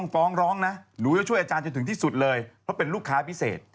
ฟ้องร้องนะหนูจะช่วยอาจารย์จนถึงที่สุดเลยเพราะเป็นลูกค้าพิเศษ